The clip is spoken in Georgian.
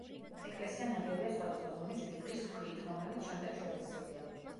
ეკლესია ნაგებია სხვადასხვა ზომის რიყის ქვით, რომელიც შემდეგ შელესილია.